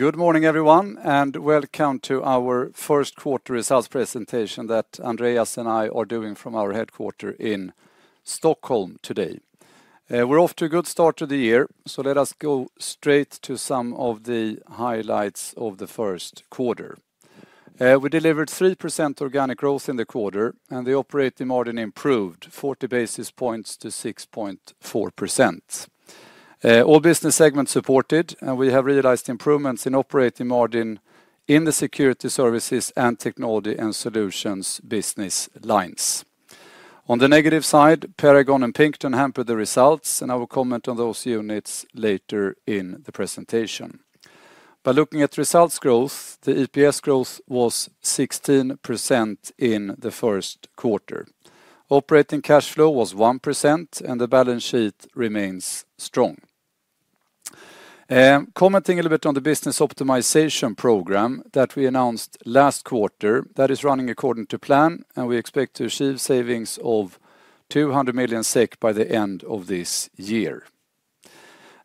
Good morning, everyone, and welcome to our first quarter results presentation that Andreas and I are doing from our headquarter in Stockholm today. We're off to a good start of the year, so let us go straight to some of the highlights of the first quarter. We delivered 3% organic growth in the quarter, and the operating margin improved 40 basis points to 6.4%. All business segments supported, and we have realized improvements in operating margin in the security services and technology and solutions business lines. On the negative side, Paragon and Pinkerton hampered the results, and I will comment on those units later in the presentation. By looking at results growth, the EPS growth was 16% in the first quarter. Operating cash flow was 1%, and the balance sheet remains strong. Commenting a little bit on the business optimization program that we announced last quarter, that is running according to plan, and we expect to achieve savings of 200 million SEK by the end of this year.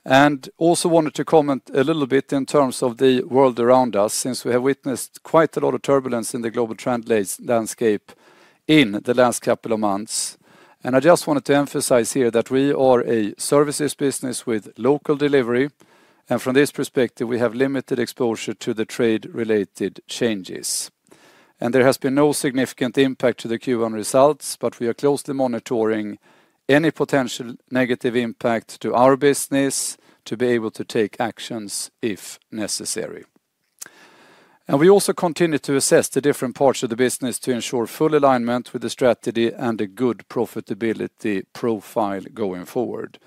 I also wanted to comment a little bit in terms of the world around us, since we have witnessed quite a lot of turbulence in the global trend landscape in the last couple of months. I just wanted to emphasize here that we are a services business with local delivery, and from this perspective, we have limited exposure to the trade-related changes. There has been no significant impact to the Q1 results, but we are closely monitoring any potential negative impact to our business to be able to take actions if necessary. We also continue to assess the different parts of the business to ensure full alignment with the strategy and a good profitability profile going forward.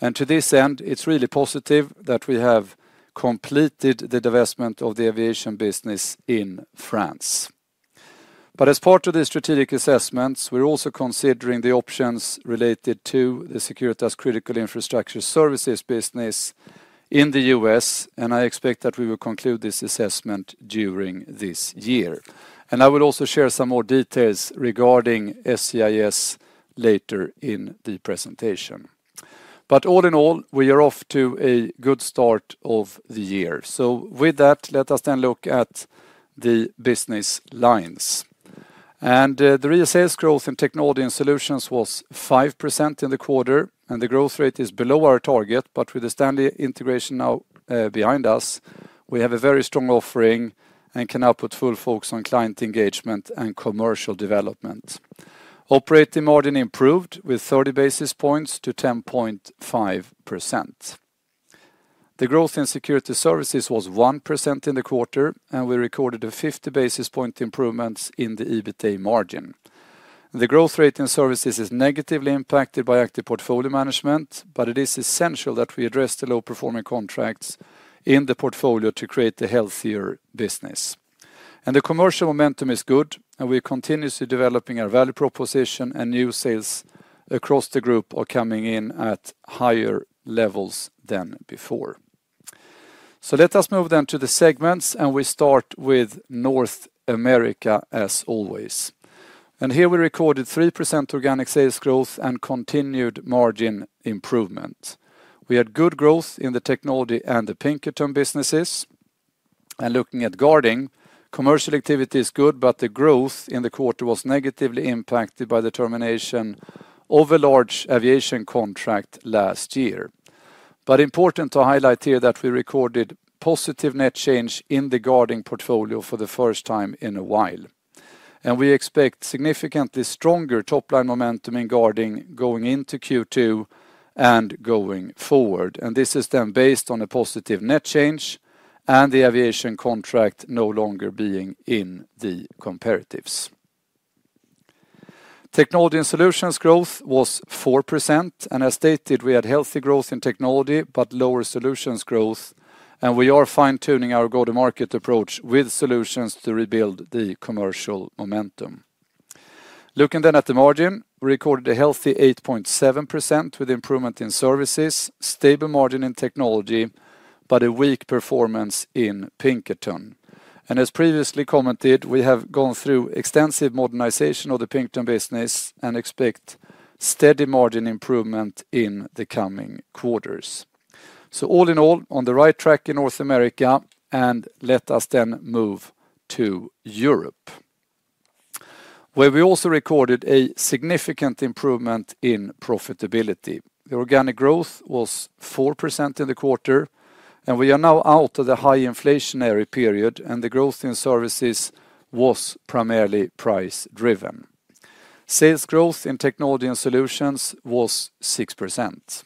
To this end, it is really positive that we have completed the divestment of the aviation business in France. As part of the strategic assessments, we are also considering the options related to the Security as Critical Infrastructure Services business in the U.S., and I expect that we will conclude this assessment during this year. I will also share some more details regarding SCIS later in the presentation. All in all, we are off to a good start of the year. With that, let us then look at the business lines. The real sales growth in technology and solutions was 5% in the quarter, and the growth rate is below our target, but with the Stanley Security integration now behind us, we have a very strong offering and can now put full focus on client engagement and commercial development. Operating margin improved with 30 basis points to 10.5%. The growth in security services was 1% in the quarter, and we recorded a 50 basis point improvement in the EBITDA margin. The growth rate in services is negatively impacted by active portfolio management, but it is essential that we address the low-performing contracts in the portfolio to create a healthier business. The commercial momentum is good, and we are continuously developing our value proposition, and new sales across the group are coming in at higher levels than before. Let us move then to the segments, and we start with North America as always. Here we recorded 3% organic sales growth and continued margin improvement. We had good growth in the technology and the Pinkerton businesses. Looking at guarding, commercial activity is good, but the growth in the quarter was negatively impacted by the termination of a large aviation contract last year. Important to highlight here that we recorded positive net change in the guarding portfolio for the first time in a while. We expect significantly stronger top-line momentum in guarding going into Q2 and going forward. This is then based on a positive net change and the aviation contract no longer being in the comparatives. Technology and solutions growth was 4%, and as stated, we had healthy growth in technology, but lower solutions growth, and we are fine-tuning our go-to-market approach with solutions to rebuild the commercial momentum. Looking then at the margin, we recorded a healthy 8.7% with improvement in services, stable margin in technology, but a weak performance in Pinkerton. As previously commented, we have gone through extensive modernization of the Pinkerton business and expect steady margin improvement in the coming quarters. All in all, on the right track in North America, let us then move to Europe, where we also recorded a significant improvement in profitability. The organic growth was 4% in the quarter, and we are now out of the high inflationary period, and the growth in services was primarily price-driven. Sales growth in technology and solutions was 6%.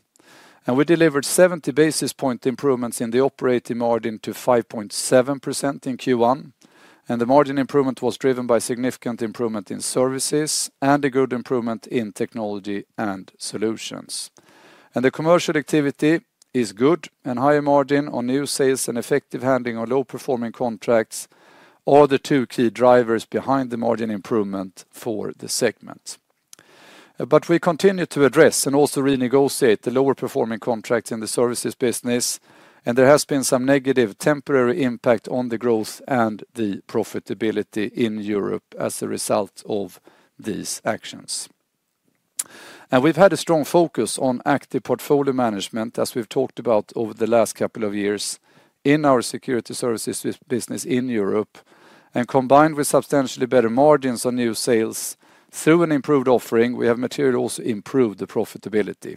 We delivered a 70 basis point improvement in the operating margin to 5.7% in Q1, and the margin improvement was driven by significant improvement in services and a good improvement in technology and solutions. The commercial activity is good, and higher margin on new sales and effective handling of low-performing contracts are the two key drivers behind the margin improvement for the segment. We continue to address and also renegotiate the lower-performing contracts in the services business, and there has been some negative temporary impact on the growth and the profitability in Europe as a result of these actions. We have had a strong focus on active portfolio management, as we have talked about over the last couple of years, in our security services business in Europe, and combined with substantially better margins on new sales through an improved offering, we have materially also improved the profitability.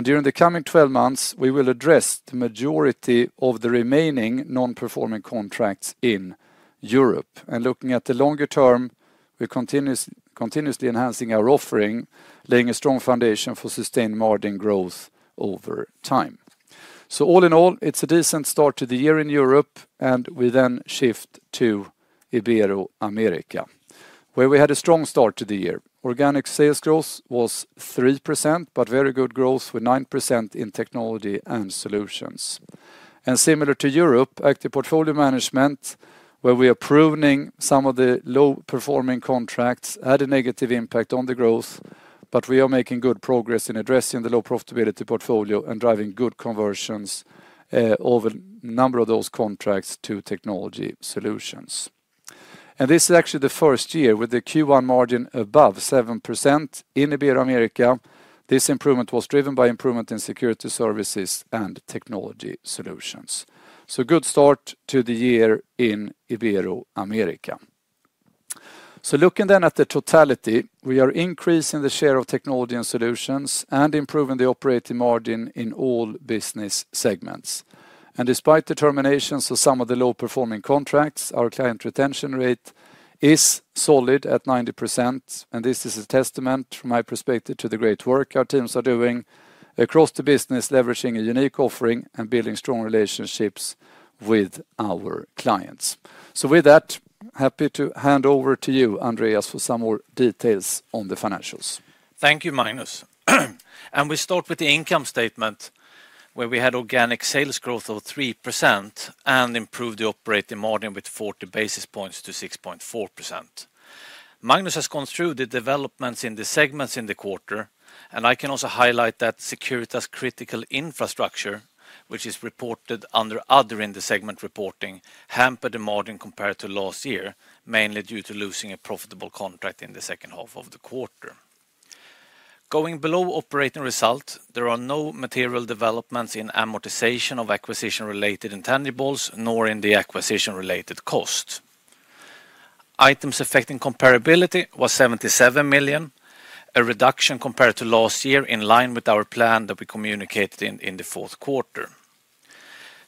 During the coming 12 months, we will address the majority of the remaining non-performing contracts in Europe. Looking at the longer term, we are continuously enhancing our offering, laying a strong foundation for sustained margin growth over time. All in all, it is a decent start to the year in Europe. We then shift to Iberoamerica, where we had a strong start to the year. Organic sales growth was 3%, but very good growth with 9% in technology and solutions. Similar to Europe, active portfolio management, where we are pruning some of the low-performing contracts, had a negative impact on the growth, but we are making good progress in addressing the low profitability portfolio and driving good conversions over a number of those contracts to technology solutions. This is actually the first year with the Q1 margin above 7% in Ibero-america. This improvement was driven by improvement in security services and technology solutions. Good start to the year in Ibe-roamerica. Looking then at the totality, we are increasing the share of technology and solutions and improving the operating margin in all business segments. Despite the terminations of some of the low-performing contracts, our client retention rate is solid at 90%, and this is a testament, from my perspective, to the great work our teams are doing across the business, leveraging a unique offering and building strong relationships with our clients. With that, happy to hand over to you, Andreas, for some more details on the financials. Thank you, Magnus. We start with the income statement, where we had organic sales growth of 3% and improved the operating margin with 40 basis points to 6.4%. Magnus has gone through the developments in the segments in the quarter, and I can also highlight that Security as Critical Infrastructure, which is reported under Other in the segment reporting, hampered the margin compared to last year, mainly due to losing a profitable contract in the second half of the quarter. Going below operating result, there are no material developments in amortization of acquisition-related intangibles, nor in the acquisition-related costs. Items affecting comparability were 77 million, a reduction compared to last year in line with our plan that we communicated in the fourth quarter.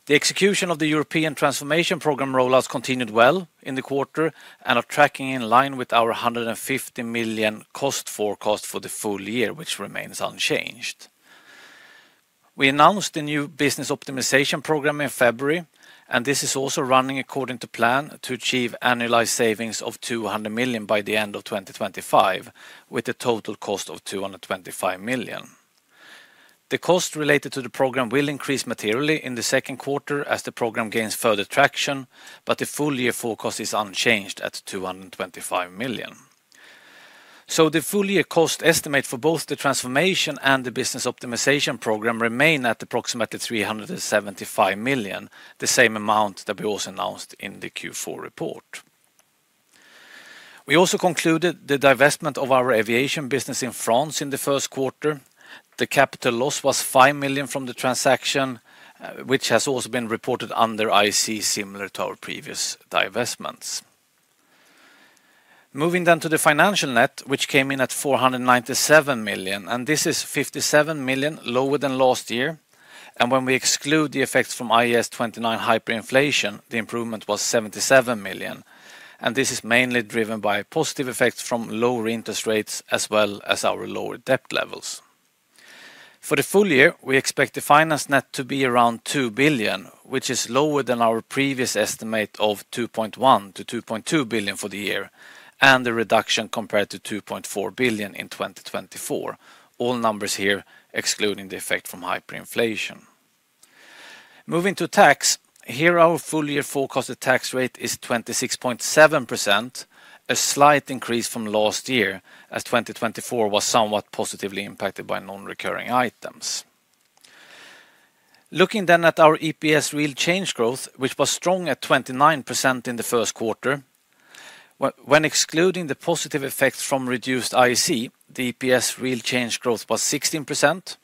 The execution of the European transformation program rollouts continued well in the quarter and are tracking in line with our 150 million cost forecast for the full year, which remains unchanged. We announced the new business optimization program in February, and this is also running according to plan to achieve annualized savings of 200 million by the end of 2025, with a total cost of 225 million. The cost related to the program will increase materially in the second quarter as the program gains further traction, but the full year forecast is unchanged at 225 million. The full year cost estimate for both the transformation and the business optimization program remain at approximately 375 million, the same amount that we also announced in the Q4 report. We also concluded the divestment of our aviation business in France in the first quarter. The capital loss was 5 million from the transaction, which has also been reported under IC, similar to our previous divestments. Moving then to the financial net, which came in at 497 million, and this is 57 million lower than last year. When we exclude the effects from IAS 29 hyperinflation, the improvement was 77 million, and this is mainly driven by positive effects from lower interest rates as well as our lower debt levels. For the full year, we expect the finance net to be around 2 billion, which is lower than our previous estimate of 2.1-2.2 billion for the year, and the reduction compared to 2.4 billion in 2024, all numbers here excluding the effect from hyperinflation. Moving to tax, here our full year forecasted tax rate is 26.7%, a slight increase from last year, as 2024 was somewhat positively impacted by non-recurring items. Looking then at our EPS real change growth, which was strong at 29% in the first quarter. When excluding the positive effects from reduced IC, the EPS real change growth was 16%,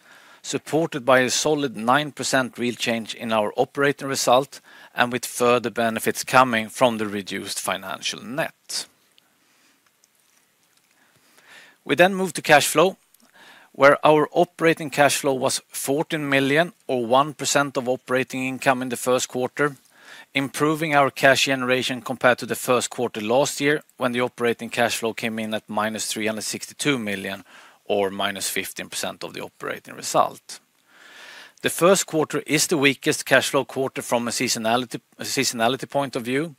supported by a solid 9% real change in our operating result and with further benefits coming from the reduced financial net. We then move to cash flow, where our operating cash flow was 14 million, or 1% of operating income in the first quarter, improving our cash generation compared to the first quarter last year when the operating cash flow came in at minus 362 million, or minus 15% of the operating result. The first quarter is the weakest cash flow quarter from a seasonality point of view,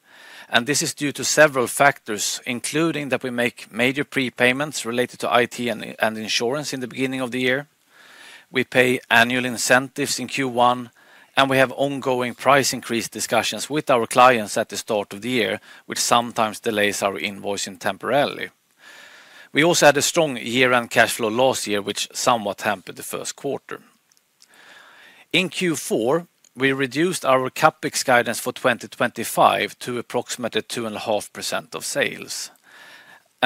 and this is due to several factors, including that we make major prepayments related to IT and insurance in the beginning of the year. We pay annual incentives in Q1, and we have ongoing price increase discussions with our clients at the start of the year, which sometimes delays our invoicing temporarily. We also had a strong year-end cash flow last year, which somewhat hampered the first quarter. In Q4, we reduced our CapEx guidance for 2025 to approximately 2.5% of sales.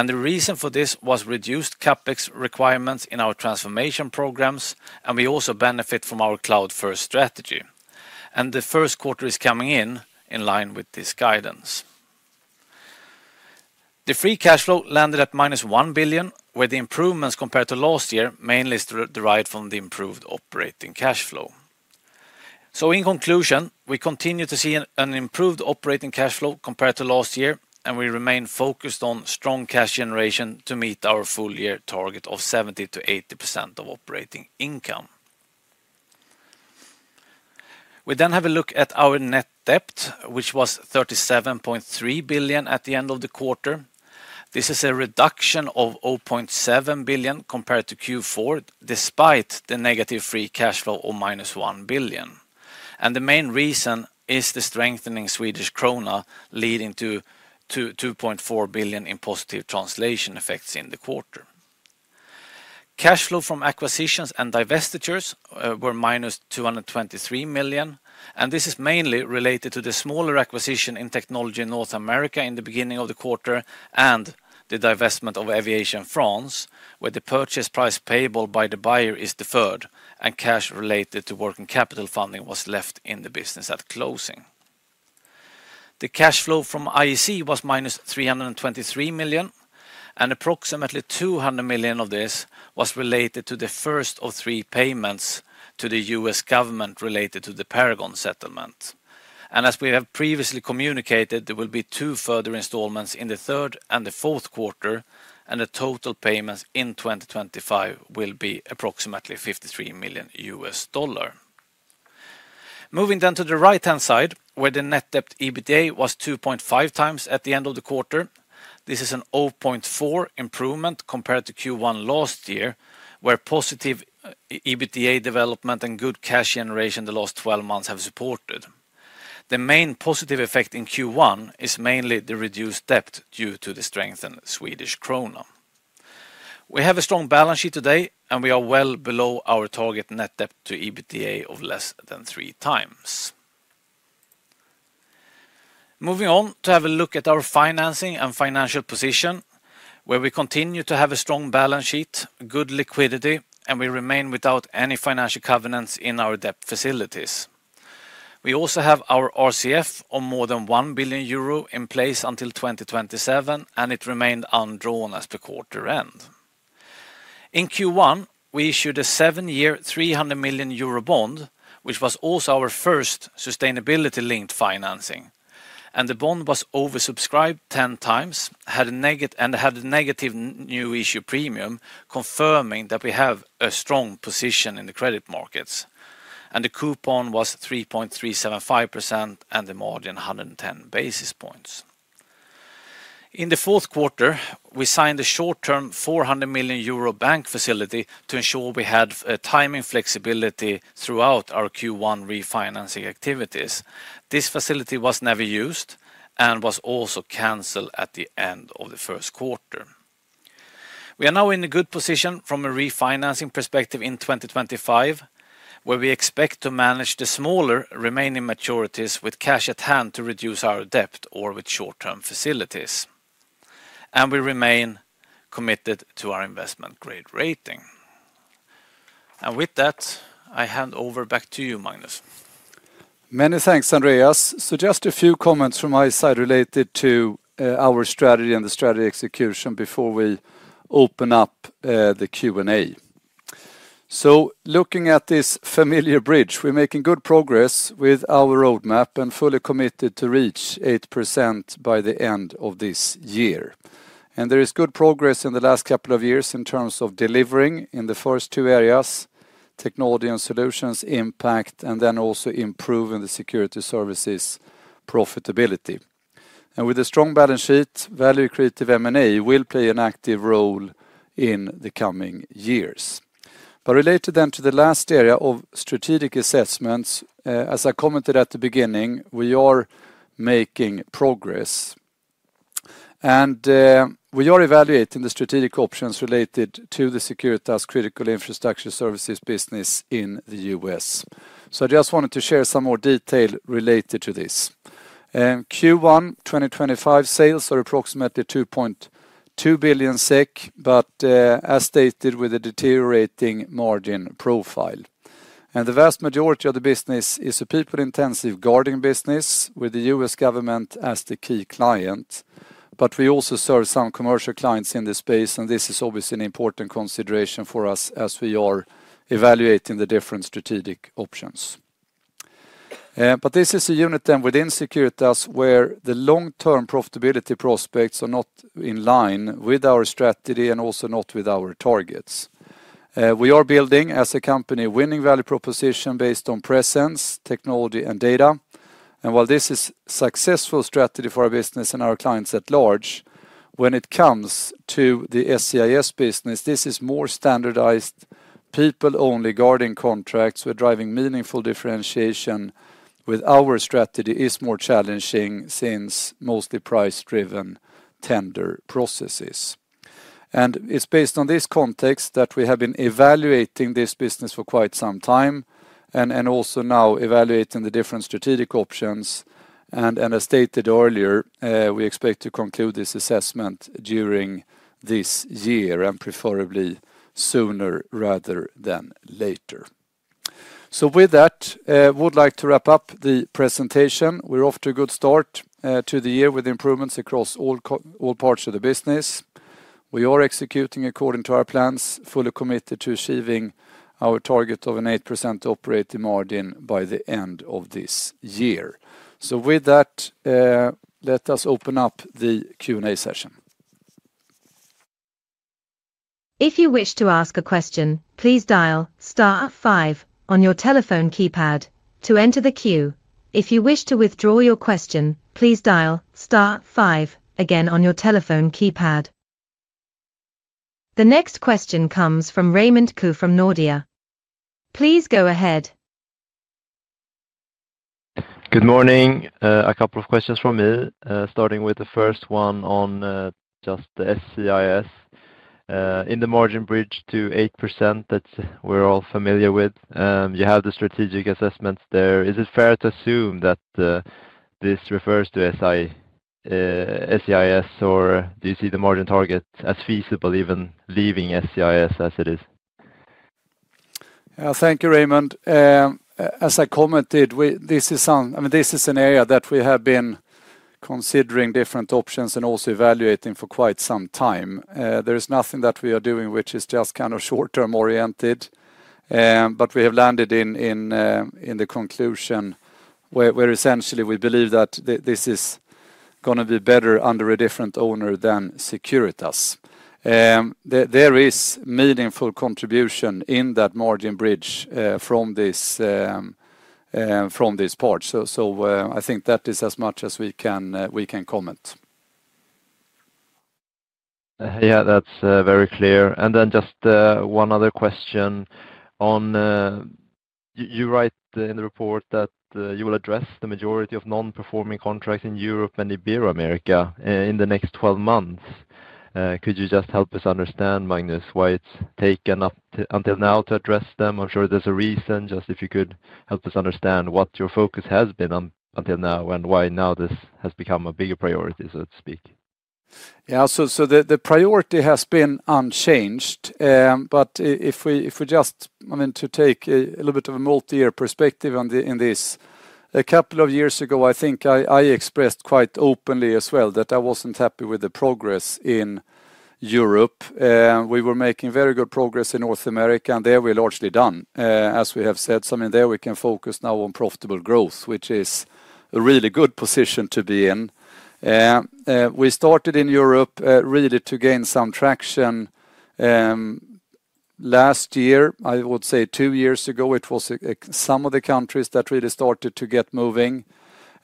The reason for this was reduced CapEx requirements in our transformation programs, and we also benefit from our cloud-first strategy. The first quarter is coming in in line with this guidance. The free cash flow landed at -1 billion, where the improvements compared to last year mainly derived from the improved operating cash flow. In conclusion, we continue to see an improved operating cash flow compared to last year, and we remain focused on strong cash generation to meet our full year target of 70%-80% of operating income. We then have a look at our net debt, which was 37.3 billion at the end of the quarter. This is a reduction of 0.7 billion compared to Q4, despite the negative free cash flow of minus 1 billion. The main reason is the strengthening Swedish krona leading to 2.4 billion in positive translation effects in the quarter. Cash flow from acquisitions and divestitures were minus 223 million, and this is mainly related to the smaller acquisition in technology in North America in the beginning of the quarter and the divestment of Aviation France, where the purchase price payable by the buyer is deferred and cash related to working capital funding was left in the business at closing. The cash flow from IC was minus 323 million, and approximately 200 million of this was related to the first of three payments to the U.S. government related to the Paragon settlement. As we have previously communicated, there will be two further installments in the third and the fourth quarter, and the total payments in 2025 will be approximately $53 million. Moving then to the right-hand side, where the net debt to EBITDA was 2.5 times at the end of the quarter. This is a 0.4 improvement compared to Q1 last year, where positive EBITDA development and good cash generation the last 12 months have supported. The main positive effect in Q1 is mainly the reduced debt due to the strengthened Swedish krona. We have a strong balance sheet today, and we are well below our target net debt to EBITDA of less than three times. Moving on to have a look at our financing and financial position, where we continue to have a strong balance sheet, good liquidity, and we remain without any financial covenants in our debt facilities. We also have our RCF of more than 1 billion euro in place until 2027, and it remained undrawn as the quarter end. In Q1, we issued a seven-year 300 million euro bond, which was also our first sustainability-linked financing, and the bond was oversubscribed 10 times and had a negative new issue premium, confirming that we have a strong position in the credit markets. The coupon was 3.375% and the margin 110 basis points. In the fourth quarter, we signed a short-term 400 million euro bank facility to ensure we had timing flexibility throughout our Q1 refinancing activities. This facility was never used and was also canceled at the end of the first quarter. We are now in a good position from a refinancing perspective in 2025, where we expect to manage the smaller remaining maturities with cash at hand to reduce our debt or with short-term facilities. We remain committed to our investment-grade rating. With that, I hand over back to you, Magnus. Many thanks, Andreas. Just a few comments from my side related to our strategy and the strategy execution before we open up the Q&A. Looking at this familiar bridge, we're making good progress with our roadmap and fully committed to reach 8% by the end of this year. There is good progress in the last couple of years in terms of delivering in the first two areas, technology and solutions impact, and also improving the security services profitability. With a strong balance sheet, value creative M&A will play an active role in the coming years. Related to the last area of strategic assessments, as I commented at the beginning, we are making progress. We are evaluating the strategic options related to the Security as Critical Infrastructure Services business in the U.S. I just wanted to share some more detail related to this. Q1 2025 sales are approximately 2.2 billion SEK, but as stated with a deteriorating margin profile. The vast majority of the business is a people-intensive guarding business with the US government as the key client. We also serve some commercial clients in the space, and this is obviously an important consideration for us as we are evaluating the different strategic options. This is a unit within Securitas where the long-term profitability prospects are not in line with our strategy and also not with our targets. We are building as a company a winning value proposition based on presence, technology, and data. While this is a successful strategy for our business and our clients at large, when it comes to the SCIS business, this is more standardized people-only guarding contracts where driving meaningful differentiation with our strategy is more challenging since mostly price-driven tender processes. It is based on this context that we have been evaluating this business for quite some time and also now evaluating the different strategic options. As stated earlier, we expect to conclude this assessment during this year and preferably sooner rather than later. I would like to wrap up the presentation. We are off to a good start to the year with improvements across all parts of the business. We are executing according to our plans, fully committed to achieving our target of an 8% operating margin by the end of this year. Let us open up the Q&A session. If you wish to ask a question, please dial star five on your telephone keypad to enter the queue. If you wish to withdraw your question, please dial star five again on your telephone keypad. The next question comes from Raymond Ke from Nordea. Please go ahead. Good morning. A couple of questions from me, starting with the first one on just the SCIS. In the margin bridge to 8%, that's we're all familiar with. You have the strategic assessments there. Is it fair to assume that this refers to SCIS, or do you see the margin target as feasible even leaving SCIS as it is? Yeah, thank you, Raymond. As I commented, this is an area that we have been considering different options and also evaluating for quite some time. There is nothing that we are doing which is just kind of short-term oriented, but we have landed in the conclusion where essentially we believe that this is going to be better under a different owner than Securitas. There is meaningful contribution in that margin bridge from this part. I think that is as much as we can comment. Yeah, that's very clear. Just one other question on, you write in the report that you will address the majority of non-performing contracts in Europe and Ibero-America in the next 12 months. Could you just help us understand, Magnus, why it's taken up until now to address them? I'm sure there's a reason, just if you could help us understand what your focus has been until now and why now this has become a bigger priority, so to speak. Yeah, so the priority has been unchanged, but if we just, I mean, to take a little bit of a multi-year perspective on this, a couple of years ago, I think I expressed quite openly as well that I was not happy with the progress in Europe. We were making very good progress in North America, and there we are largely done, as we have said. I mean, there we can focus now on profitable growth, which is a really good position to be in. We started in Europe really to gain some traction last year. I would say two years ago, it was some of the countries that really started to get moving,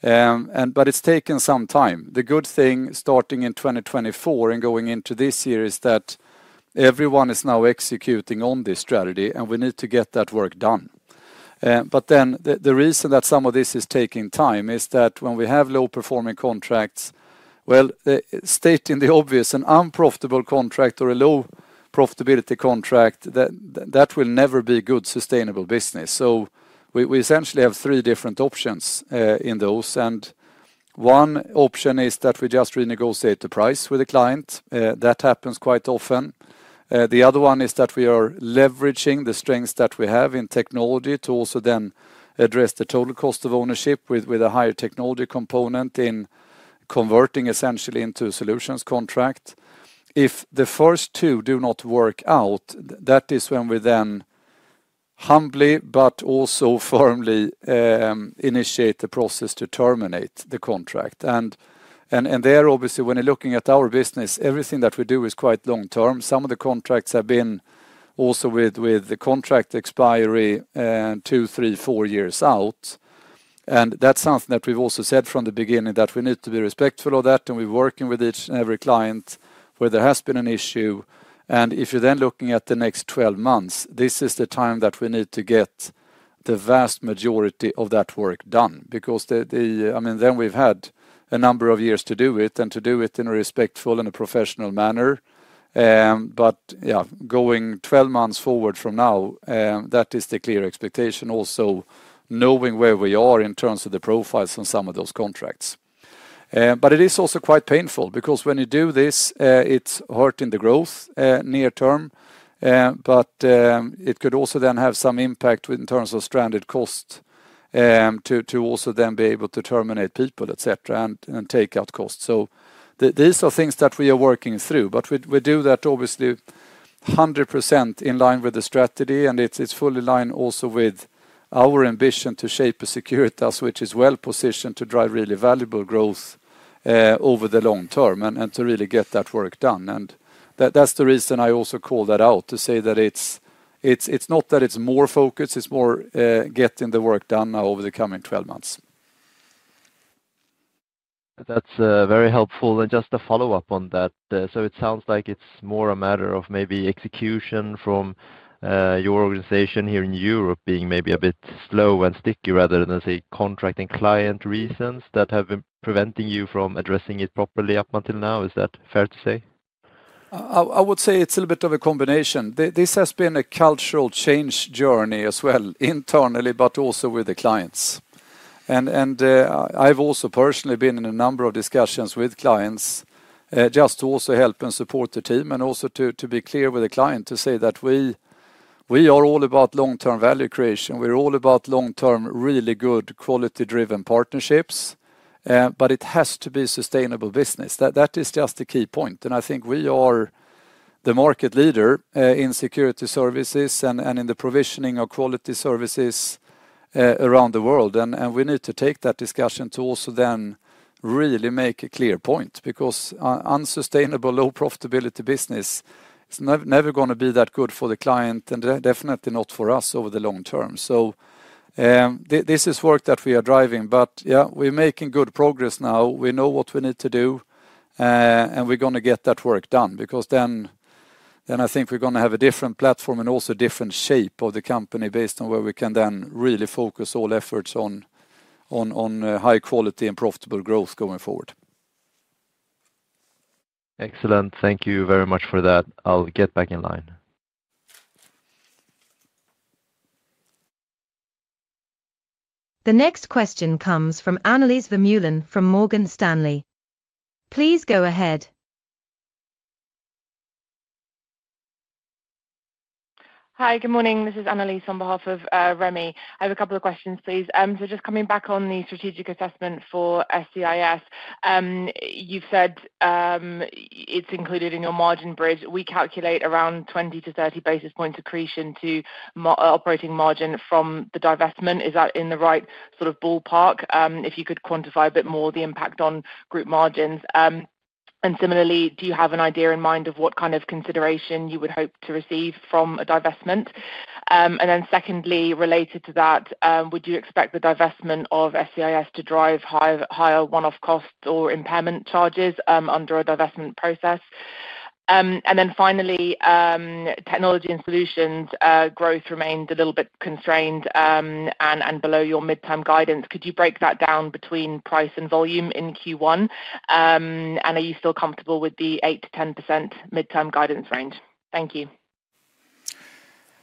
but it has taken some time. The good thing starting in 2024 and going into this year is that everyone is now executing on this strategy, and we need to get that work done. The reason that some of this is taking time is that when we have low-performing contracts, stating the obvious, an unprofitable contract or a low profitability contract, that will never be a good sustainable business. We essentially have three different options in those. One option is that we just renegotiate the price with a client. That happens quite often. The other one is that we are leveraging the strengths that we have in technology to also then address the total cost of ownership with a higher technology component in converting essentially into a solutions contract. If the first two do not work out, that is when we then humbly, but also firmly initiate the process to terminate the contract. There, obviously, when you're looking at our business, everything that we do is quite long-term. Some of the contracts have been also with the contract expiry two, three, four years out. That is something that we have also said from the beginning that we need to be respectful of, and we are working with each and every client where there has been an issue. If you are then looking at the next 12 months, this is the time that we need to get the vast majority of that work done because, I mean, we have had a number of years to do it and to do it in a respectful and a professional manner. Yeah, going 12 months forward from now, that is the clear expectation, also knowing where we are in terms of the profiles on some of those contracts. It is also quite painful because when you do this, it's hurting the growth near term, but it could also then have some impact in terms of stranded cost to also then be able to terminate people, etc., and take out costs. These are things that we are working through, but we do that obviously 100% in line with the strategy, and it's fully in line also with our ambition to shape a security which is well positioned to drive really valuable growth over the long term and to really get that work done. That's the reason I also call that out to say that it's not that it's more focused, it's more getting the work done now over the coming 12 months. That's very helpful. Just a follow-up on that. It sounds like it's more a matter of maybe execution from your organization here in Europe being maybe a bit slow and sticky rather than, say, contracting client reasons that have been preventing you from addressing it properly up until now. Is that fair to say? I would say it's a little bit of a combination. This has been a cultural change journey as well internally, but also with the clients. I've also personally been in a number of discussions with clients just to also help and support the team and also to be clear with the client to say that we are all about long-term value creation. We're all about long-term, really good, quality-driven partnerships, but it has to be sustainable business. That is just the key point. I think we are the market leader in security services and in the provisioning of quality services around the world. We need to take that discussion to also then really make a clear point because unsustainable, low profitability business is never going to be that good for the client and definitely not for us over the long term. This is work that we are driving, but yeah, we're making good progress now. We know what we need to do, and we're going to get that work done because then I think we're going to have a different platform and also a different shape of the company based on where we can then really focus all efforts on high quality and profitable growth going forward. Excellent. Thank you very much for that. I'll get back in line. The next question comes from Annelies Vermeulen from Morgan Stanley. Please go ahead. Hi, good morning. This is Annelies on behalf of Remi. I have a couple of questions, please. Just coming back on the strategic assessment for SCIS, you've said it's included in your margin bridge. We calculate around 20-30 basis points accretion to operating margin from the divestment. Is that in the right sort of ballpark? If you could quantify a bit more the impact on group margins. Similarly, do you have an idea in mind of what kind of consideration you would hope to receive from a divestment? Secondly, related to that, would you expect the divestment of SCIS to drive higher one-off costs or impairment charges under a divestment process? Finally, technology and solutions growth remained a little bit constrained and below your midterm guidance. Could you break that down between price and volume in Q1? Are you still comfortable with the 8-10% midterm guidance range? Thank you.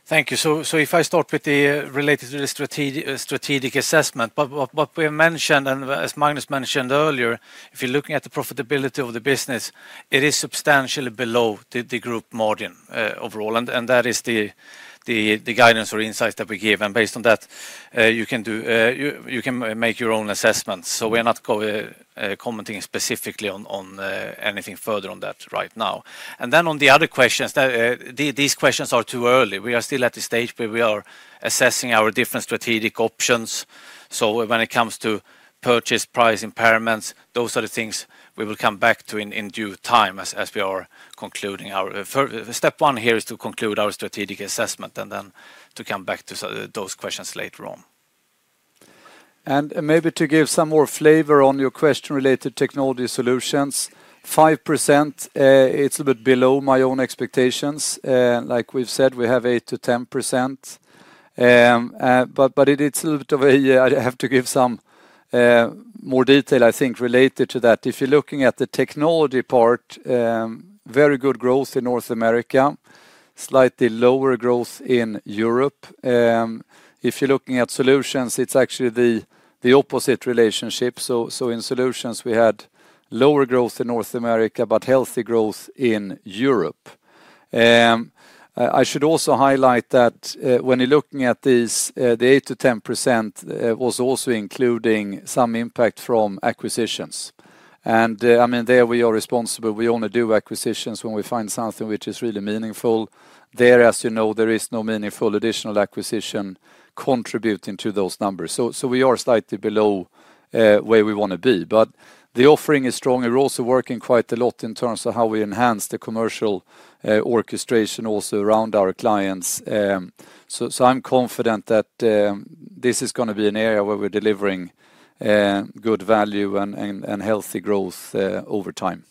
Thank you. If I start with the related to the strategic assessment, what we have mentioned, and as Magnus mentioned earlier, if you are looking at the profitability of the business, it is substantially below the group margin overall. That is the guidance or insights that we give. Based on that, you can make your own assessments. We are not commenting specifically on anything further on that right now. On the other questions, these questions are too early. We are still at the stage where we are assessing our different strategic options. When it comes to purchase price impairments, those are the things we will come back to in due time as we are concluding our step one here, which is to conclude our strategic assessment and then to come back to those questions later on. Maybe to give some more flavor on your question related to technology solutions, 5%, it's a little bit below my own expectations. Like we've said, we have 8-10%. It's a little bit of a, I have to give some more detail, I think, related to that. If you're looking at the technology part, very good growth in North America, slightly lower growth in Europe. If you're looking at solutions, it's actually the opposite relationship. In solutions, we had lower growth in North America, but healthy growth in Europe. I should also highlight that when you're looking at these, the 8-10% was also including some impact from acquisitions. I mean, there we are responsible. We only do acquisitions when we find something which is really meaningful. There, as you know, there is no meaningful additional acquisition contributing to those numbers. We are slightly below where we want to be. The offering is strong. We're also working quite a lot in terms of how we enhance the commercial orchestration also around our clients. I'm confident that this is going to be an area where we're delivering good value and healthy growth over time.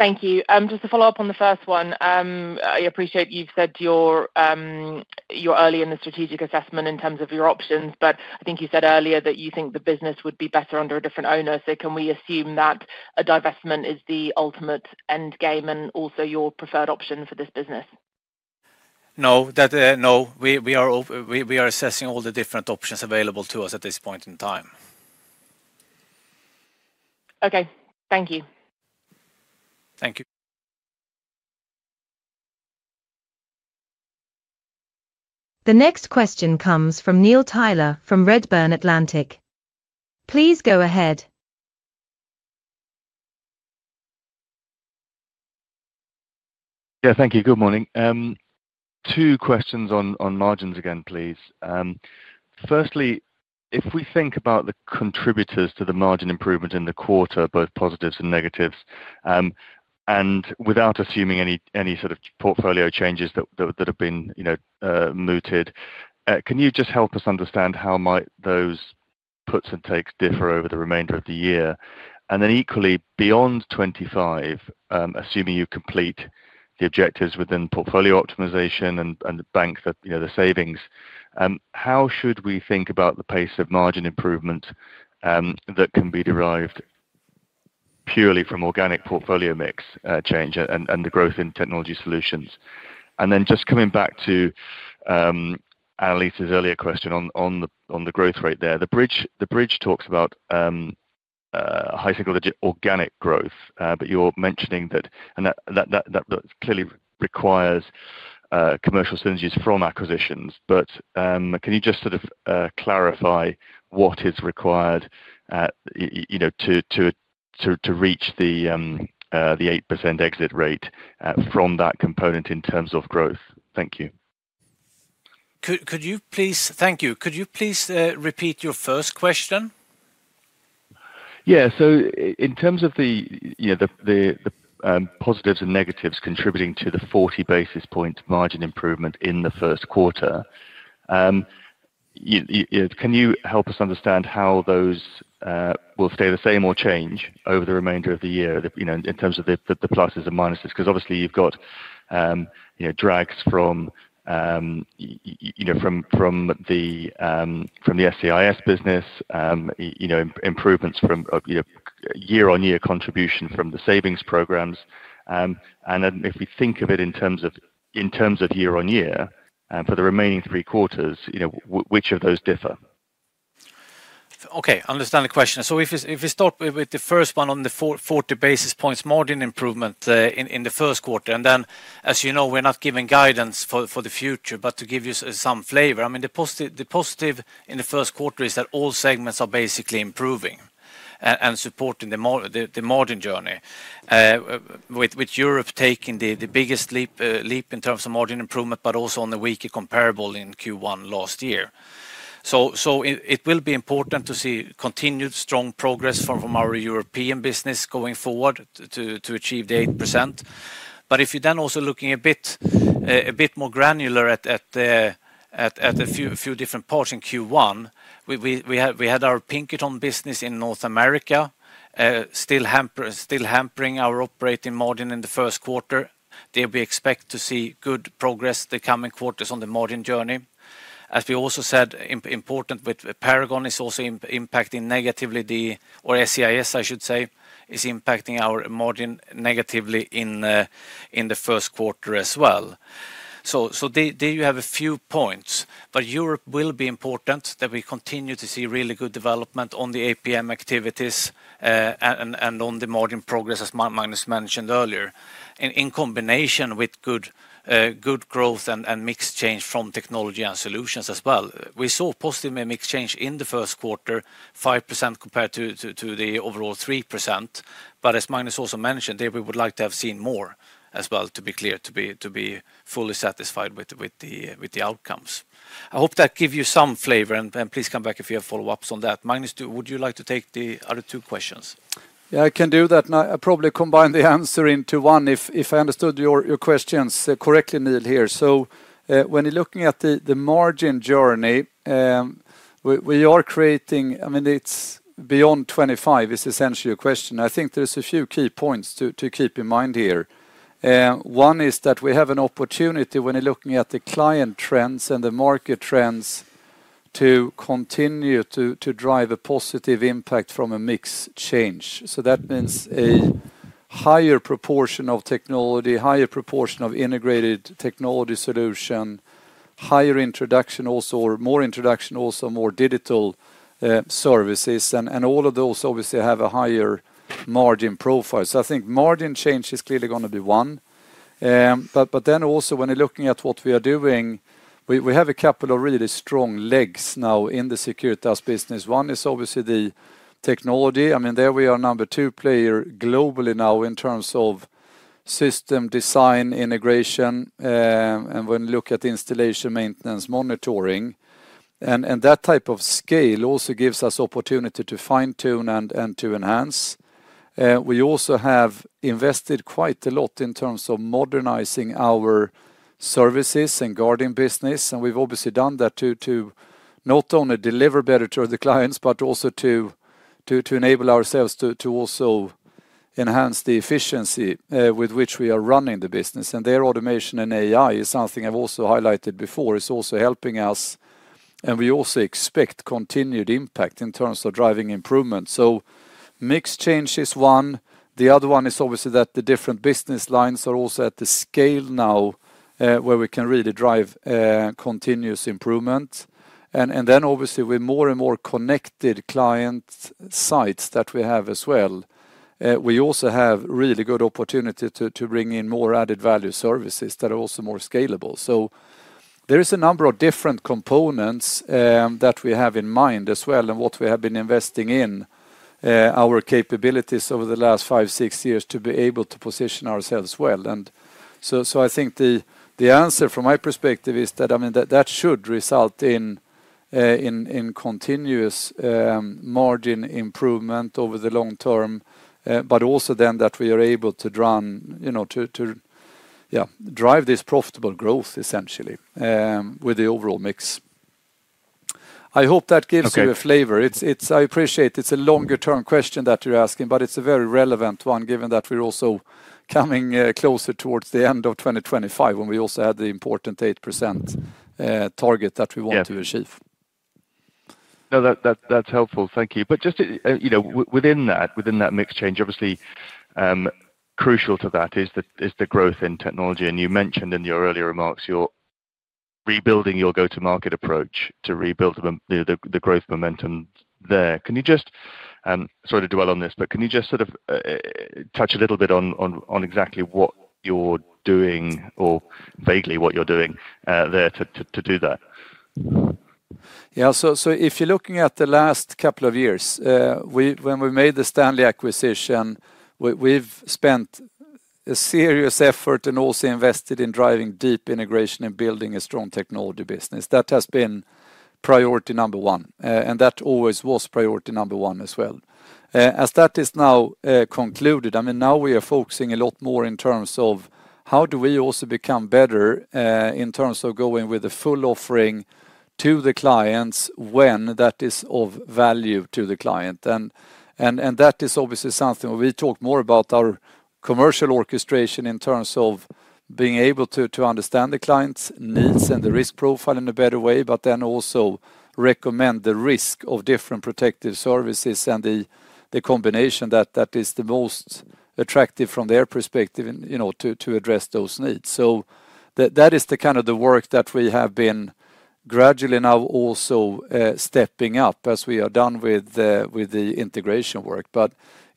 Thank you. Just to follow up on the first one, I appreciate you've said you're early in the strategic assessment in terms of your options, but I think you said earlier that you think the business would be better under a different owner. Can we assume that a divestment is the ultimate end game and also your preferred option for this business? No, we are assessing all the different options available to us at this point in time. Okay. Thank you. Thank you. The next question comes from Neil Tyler from Redburn Atlantic. Please go ahead. Yeah, thank you. Good morning. Two questions on margins again, please. Firstly, if we think about the contributors to the margin improvement in the quarter, both positives and negatives, and without assuming any sort of portfolio changes that have been mooted, can you just help us understand how might those puts and takes differ over the remainder of the year? Equally, beyond 2025, assuming you complete the objectives within portfolio optimization and the bank, the savings, how should we think about the pace of margin improvement that can be derived purely from organic portfolio mix change and the growth in technology solutions? Just coming back to Annelies's earlier question on the growth rate there, the bridge talks about high-signal organic growth, but you're mentioning that that clearly requires commercial synergies from acquisitions. Can you just sort of clarify what is required to reach the 8% exit rate from that component in terms of growth? Thank you. Could you please repeat your first question? Yeah. In terms of the positives and negatives contributing to the 40 basis point margin improvement in the first quarter, can you help us understand how those will stay the same or change over the remainder of the year in terms of the pluses and minuses? Because obviously, you've got drags from the SCIS business, improvements from year-on-year contribution from the savings programs. If we think of it in terms of year-on-year for the remaining three quarters, which of those differ? Okay. I understand the question. If we start with the first one on the 40 basis points margin improvement in the first quarter, and then, as you know, we're not giving guidance for the future, but to give you some flavor, I mean, the positive in the first quarter is that all segments are basically improving and supporting the margin journey, with Europe taking the biggest leap in terms of margin improvement, but also on the weaker comparable in Q1 last year. It will be important to see continued strong progress from our European business going forward to achieve the 8%. If you're then also looking a bit more granular at a few different parts in Q1, we had our Pinkerton business in North America still hampering our operating margin in the first quarter. There we expect to see good progress the coming quarters on the margin journey. As we also said, important with Paragon is also impacting negatively the, or SCIS, I should say, is impacting our margin negatively in the first quarter as well. There you have a few points. Europe will be important that we continue to see really good development on the APM activities and on the margin progress, as Magnus mentioned earlier, in combination with good growth and mixed change from technology and solutions as well. We saw positive mixed change in the first quarter, 5% compared to the overall 3%. As Magnus also mentioned, there we would like to have seen more as well, to be clear, to be fully satisfied with the outcomes. I hope that gives you some flavor, and please come back if you have follow-ups on that. Magnus, would you like to take the other two questions? Yeah, I can do that. I probably combined the answer into one if I understood your questions correctly, Neil, here. When you're looking at the margin journey, we are creating, I mean, it's beyond 2025, is essentially your question. I think there's a few key points to keep in mind here. One is that we have an opportunity when you're looking at the client trends and the market trends to continue to drive a positive impact from a mix change. That means a higher proportion of technology, higher proportion of integrated technology solution, higher introduction also, or more introduction also, more digital services. All of those obviously have a higher margin profile. I think margin change is clearly going to be one. When you're looking at what we are doing, we have a couple of really strong legs now in the security business. One is obviously the technology. I mean, there we are number two player globally now in terms of system design integration. When you look at installation, maintenance, monitoring, and that type of scale, it also gives us opportunity to fine-tune and to enhance. We also have invested quite a lot in terms of modernizing our services and guarding business. We have obviously done that to not only deliver better to the clients, but also to enable ourselves to also enhance the efficiency with which we are running the business. Their automation and AI is something I have also highlighted before. It is also helping us, and we also expect continued impact in terms of driving improvement. Mixed change is one. The other one is obviously that the different business lines are also at the scale now where we can really drive continuous improvement. Obviously with more and more connected client sites that we have as well, we also have really good opportunity to bring in more added value services that are also more scalable. There is a number of different components that we have in mind as well and what we have been investing in our capabilities over the last five, six years to be able to position ourselves well. I think the answer from my perspective is that, I mean, that should result in continuous margin improvement over the long term, but also that we are able to drive this profitable growth essentially with the overall mix. I hope that gives you a flavor. I appreciate it's a longer-term question that you're asking, but it's a very relevant one given that we're also coming closer towards the end of 2025 when we also had the important 8% target that we want to achieve. No, that's helpful. Thank you. Just within that mixed change, obviously crucial to that is the growth in technology. You mentioned in your earlier remarks you're rebuilding your go-to-market approach to rebuild the growth momentum there. Can you just sort of dwell on this, can you just sort of touch a little bit on exactly what you're doing or vaguely what you're doing there to do that? Yeah. If you're looking at the last couple of years, when we made the Stanley acquisition, we've spent a serious effort and also invested in driving deep integration and building a strong technology business. That has been priority number one, and that always was priority number one as well. As that is now concluded, I mean, now we are focusing a lot more in terms of how do we also become better in terms of going with a full offering to the clients when that is of value to the client. That is obviously something where we talk more about our commercial orchestration in terms of being able to understand the client's needs and the risk profile in a better way, but then also recommend the risk of different protective services and the combination that is the most attractive from their perspective to address those needs. That is the kind of the work that we have been gradually now also stepping up as we are done with the integration work.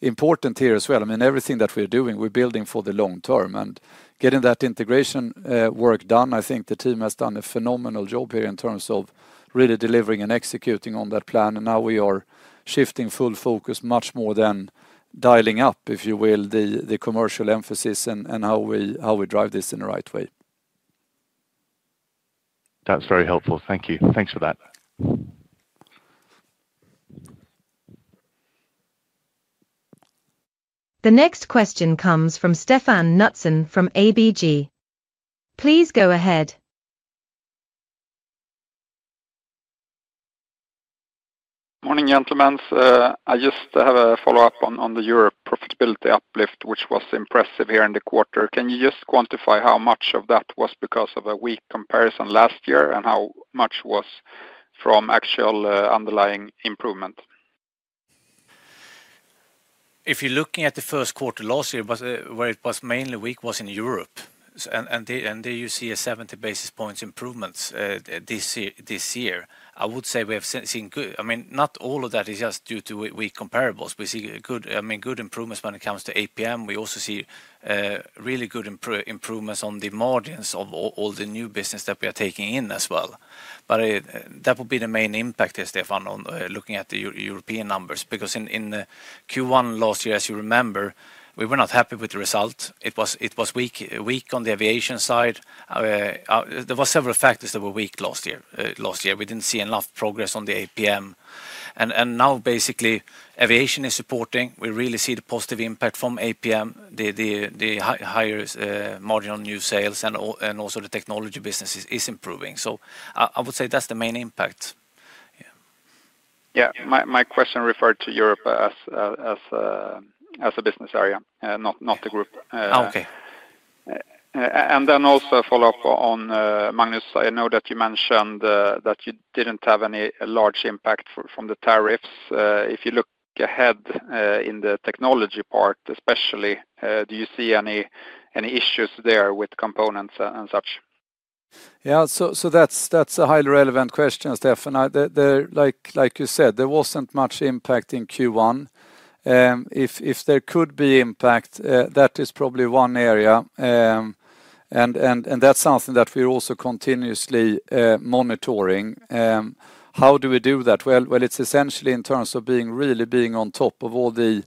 Important here as well, I mean, everything that we're doing, we're building for the long term. Getting that integration work done, I think the team has done a phenomenal job here in terms of really delivering and executing on that plan. Now we are shifting full focus much more than dialing up, if you will, the commercial emphasis and how we drive this in the right way. That's very helpful. Thank you. Thanks for that. The next question comes from Stefan Knutzen from ABG. Please go ahead. Morning, gentlemen. I just have a follow-up on the Europe profitability uplift, which was impressive here in the quarter. Can you just quantify how much of that was because of a weak comparison last year and how much was from actual underlying improvement? If you're looking at the first quarter last year, where it was mainly weak was in Europe. There you see a 70 basis points improvement this year. I would say we have seen good, I mean, not all of that is just due to weak comparables. We see good improvements when it comes to APM. We also see really good improvements on the margins of all the new business that we are taking in as well. That will be the main impact, Stefan, on looking at the European numbers. In Q1 last year, as you remember, we were not happy with the result. It was weak on the aviation side. There were several factors that were weak last year. We did not see enough progress on the APM. Now basically aviation is supporting. We really see the positive impact from APM, the higher margin on new sales, and also the technology business is improving. I would say that's the main impact. Yeah. My question referred to Europe as a business area, not the group. Okay. Also, a follow-up on Magnus. I know that you mentioned that you did not have any large impact from the tariffs. If you look ahead in the technology part, especially, do you see any issues there with components and such? Yeah. That is a highly relevant question, Stefan. Like you said, there was not much impact in Q1. If there could be impact, that is probably one area. That is something that we are also continuously monitoring. How do we do that? It is essentially in terms of really being on top of all the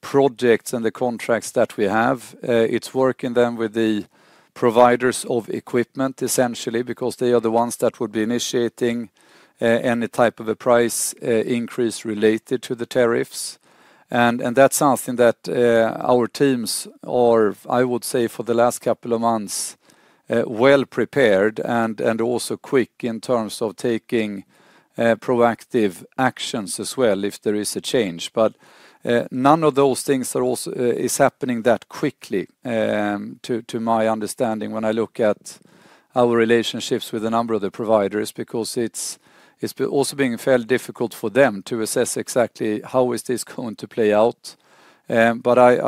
projects and the contracts that we have. It is working then with the providers of equipment, essentially, because they are the ones that would be initiating any type of a price increase related to the tariffs. That is something that our teams are, I would say, for the last couple of months, well prepared and also quick in terms of taking proactive actions as well if there is a change. None of those things is happening that quickly, to my understanding, when I look at our relationships with a number of the providers, because it's also being fairly difficult for them to assess exactly how is this going to play out. I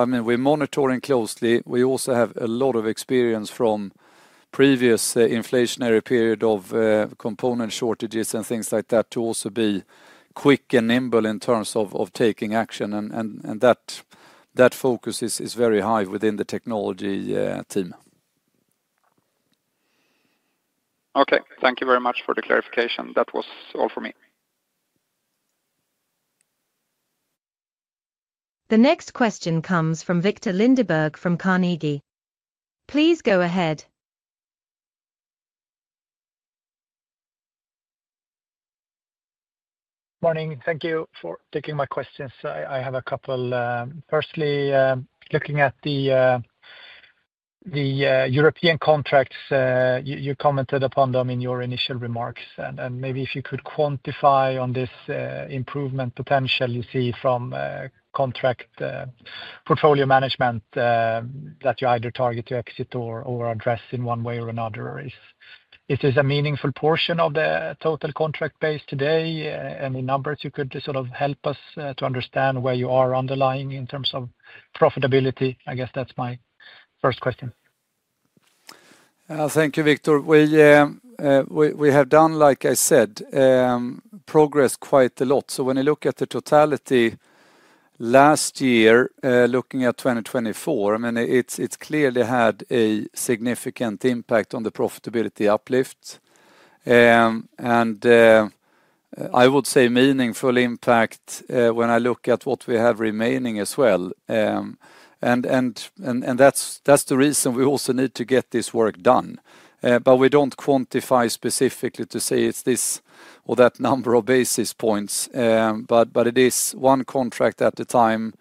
mean, we're monitoring closely. We also have a lot of experience from previous inflationary period of component shortages and things like that to also be quick and nimble in terms of taking action. That focus is very high within the technology team. Okay. Thank you very much for the clarification. That was all for me. The next question comes from Victor Lindbergh from Carnegie. Please go ahead. Morning. Thank you for taking my questions. I have a couple. Firstly, looking at the European contracts, you commented upon them in your initial remarks. Maybe if you could quantify on this improvement potential you see from contract portfolio management that you either target to exit or address in one way or another. Is this a meaningful portion of the total contract base today? Any numbers you could sort of help us to understand where you are underlying in terms of profitability? I guess that's my first question. Thank you, Victor. We have done, like I said, progress quite a lot. When you look at the totality last year, looking at 2024, I mean, it has clearly had a significant impact on the profitability uplift. I would say meaningful impact when I look at what we have remaining as well. That is the reason we also need to get this work done. We do not quantify specifically to say it is this or that number of basis points. It is one contract at a time.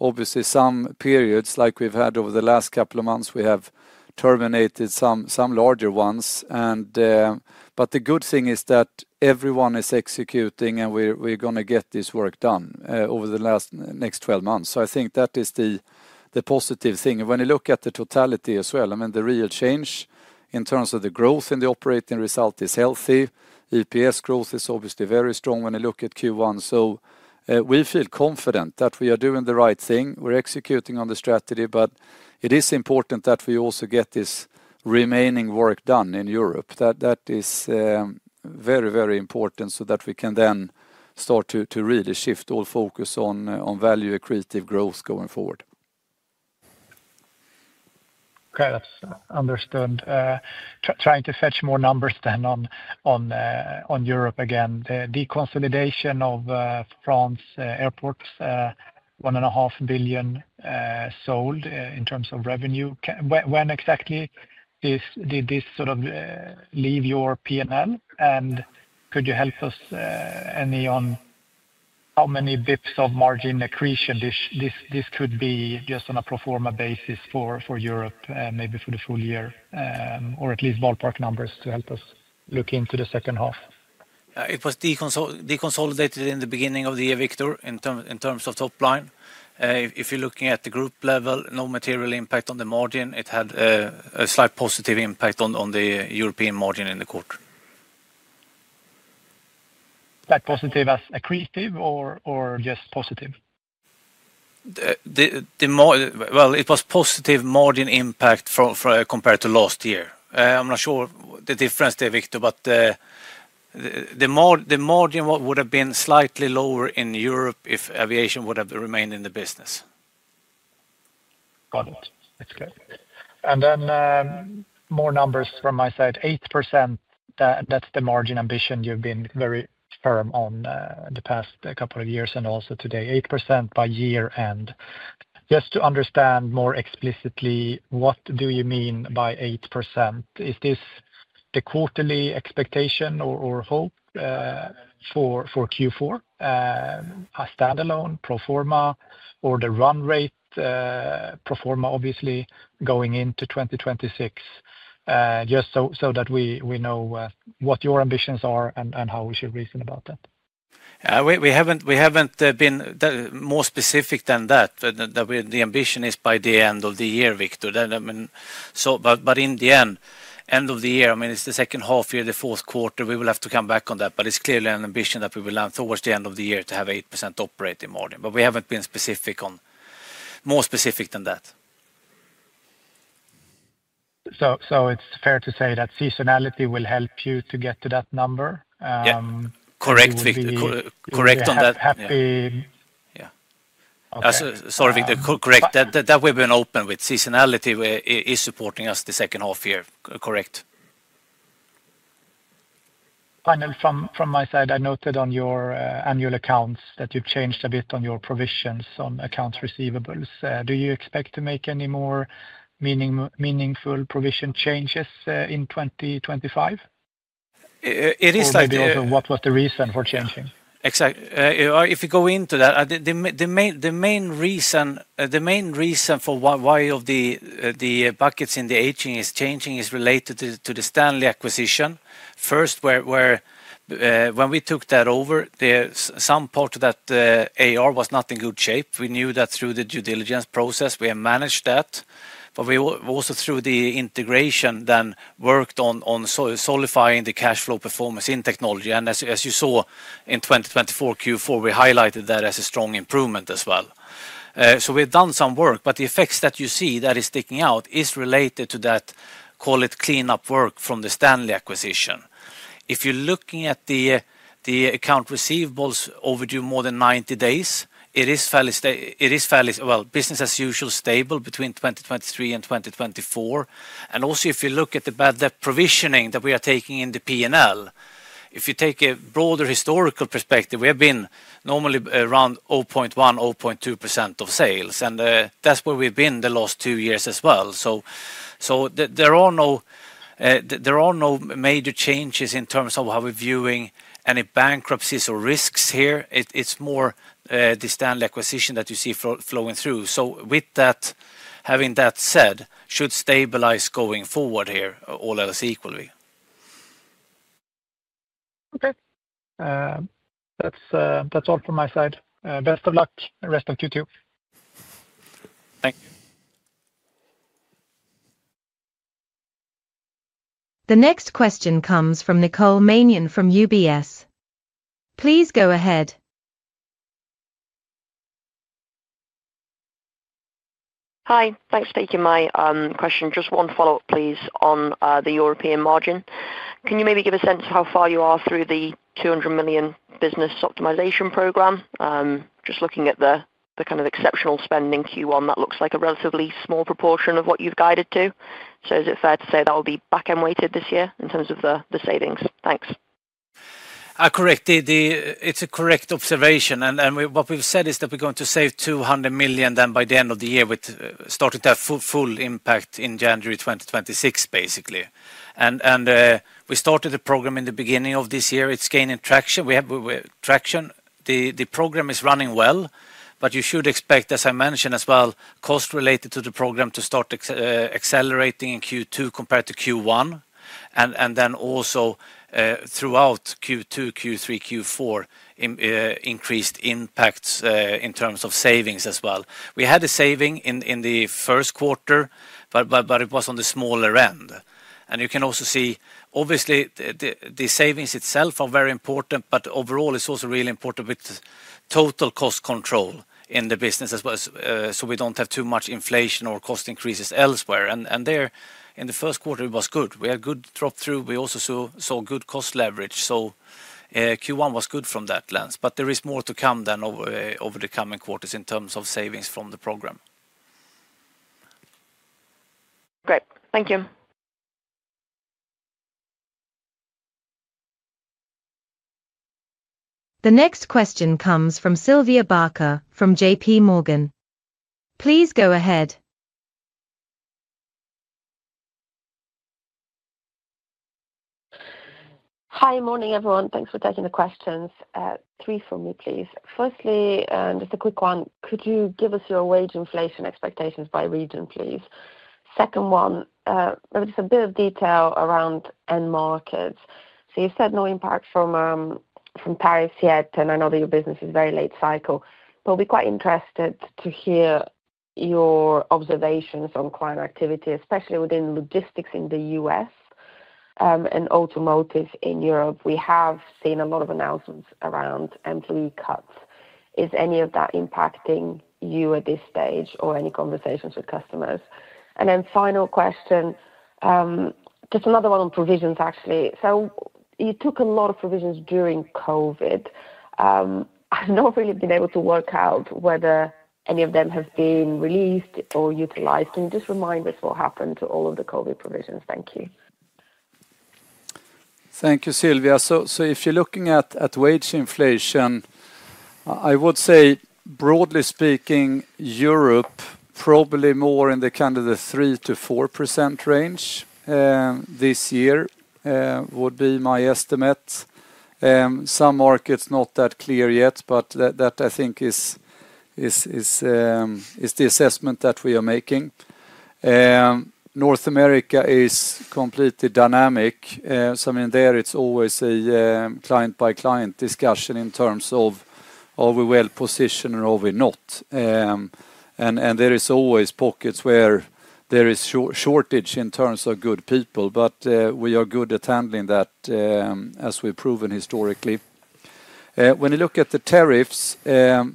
Obviously, some periods, like we have had over the last couple of months, we have terminated some larger ones. The good thing is that everyone is executing and we are going to get this work done over the next 12 months. I think that is the positive thing. When you look at the totality as well, I mean, the real change in terms of the growth in the operating result is healthy. EPS growth is obviously very strong when you look at Q1. We feel confident that we are doing the right thing. We're executing on the strategy, but it is important that we also get this remaining work done in Europe. That is very, very important so that we can then start to really shift all focus on value accretive growth going forward. Okay. That's understood. Trying to fetch more numbers then on Europe again. The consolidation of France Airports, $1.5 billion sold in terms of revenue. When exactly did this sort of leave your P&L? And could you help us any on how many basis points of margin accretion this could be just on a proforma basis for Europe, maybe for the full year, or at least ballpark numbers to help us look into the second half? It was deconsolidated in the beginning of the year, Victor, in terms of top line. If you're looking at the group level, no material impact on the margin. It had a slight positive impact on the European margin in the quarter. Like positive as accretive or just positive? It was positive margin impact compared to last year. I'm not sure the difference there, Victor, but the margin would have been slightly lower in Europe if aviation would have remained in the business. Got it. That's good. Then more numbers from my side. 8%, that's the margin ambition you've been very firm on the past couple of years and also today. 8% by year-end. Just to understand more explicitly, what do you mean by 8%? Is this the quarterly expectation or hope for Q4, a standalone proforma, or the run rate, proforma obviously, going into 2026, just so that we know what your ambitions are and how we should reason about that? We haven't been more specific than that. The ambition is by the end of the year, Victor. In the end, end of the year, I mean, it's the second half year, the fourth quarter. We will have to come back on that. It is clearly an ambition that we will have towards the end of the year to have 8% operating margin. We haven't been more specific than that. It's fair to say that seasonality will help you to get to that number? Yeah. Correct, Victor. Correct on that. Happy. Yeah. Sorry, Victor. Correct. That we've been open with, seasonality is supporting us the second half year. Correct. Finally, from my side, I noted on your annual accounts that you've changed a bit on your provisions on accounts receivables. Do you expect to make any more meaningful provision changes in 2025? It is like that. Maybe also what was the reason for changing? Exactly. If you go into that, the main reason for why of the buckets in the aging is changing is related to the Stanley acquisition. First, when we took that over, some part of that AR was not in good shape. We knew that through the due diligence process, we have managed that. We also through the integration then worked on solidifying the cash flow performance in technology. As you saw in 2024 Q4, we highlighted that as a strong improvement as well. We have done some work, but the effects that you see that is sticking out is related to that, call it cleanup work from the Stanley acquisition. If you are looking at the account receivables overdue more than 90 days, it is fairly, business as usual stable between 2023 and 2024. If you look at the provisioning that we are taking in the P&L, if you take a broader historical perspective, we have been normally around 0.1-0.2% of sales. That is where we have been the last two years as well. There are no major changes in terms of how we are viewing any bankruptcies or risks here. It is more the Stanley acquisition that you see flowing through. Having that said, it should stabilize going forward here, all else equally. Okay. That's all from my side. Best of luck. Rest of Q2. Thank you. The next question comes from Nicole Manion from UBS. Please go ahead. Hi. Thanks for taking my question. Just one follow-up, please, on the European margin. Can you maybe give a sense of how far you are through the 200 million business optimization program? Just looking at the kind of exceptional spending Q1, that looks like a relatively small proportion of what you have guided to. Is it fair to say that will be back-end weighted this year in terms of the savings? Thanks. Correct. It's a correct observation. What we've said is that we're going to save 200 million by the end of the year with starting to have full impact in January 2026, basically. We started the program in the beginning of this year. It's gaining traction. The program is running well, but you should expect, as I mentioned as well, cost related to the program to start accelerating in Q2 compared to Q1. Also, throughout Q2, Q3, Q4, increased impacts in terms of savings as well. We had a saving in the first quarter, but it was on the smaller end. You can also see, obviously, the savings itself are very important, but overall, it's also really important with total cost control in the business as well. We do not have too much inflation or cost increases elsewhere. In the first quarter, it was good. We had good drop-through. We also saw good cost leverage. Q1 was good from that lens. There is more to come then over the coming quarters in terms of savings from the program. Great. Thank you. The next question comes from Sylvia Barker from JP Morgan. Please go ahead. Hi. Morning, everyone. Thanks for taking the questions. Three for me, please. Firstly, just a quick one. Could you give us your wage inflation expectations by region, please? Second one, maybe just a bit of detail around end markets. You said no impact from Paris yet, and I know that your business is very late cycle. We are quite interested to hear your observations on client activity, especially within logistics in the U.S. and automotive in Europe. We have seen a lot of announcements around employee cuts. Is any of that impacting you at this stage or any conversations with customers? Final question, just another one on provisions, actually. You took a lot of provisions during COVID. I have not really been able to work out whether any of them have been released or utilized. Can you just remind us what happened to all of the COVID provisions? Thank you. Thank you, Sylvia. If you're looking at wage inflation, I would say, broadly speaking, Europe, probably more in the 3-4% range this year would be my estimate. Some markets not that clear yet, but that, I think, is the assessment that we are making. North America is completely dynamic. I mean, there it's always a client-by-client discussion in terms of are we well positioned or are we not. There are always pockets where there is shortage in terms of good people, but we are good at handling that as we've proven historically. When you look at the tariffs, as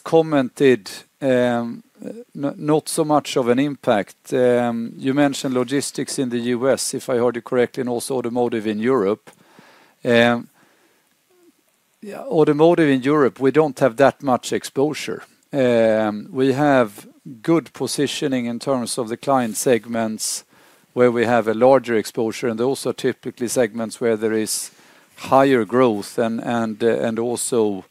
commented, not so much of an impact. You mentioned logistics in the U.S., if I heard you correctly, and also automotive in Europe. Automotive in Europe, we don't have that much exposure. We have good positioning in terms of the client segments where we have a larger exposure, and those are typically segments where there is higher growth and also